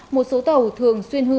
một số tàu thường xuyên hóa tàu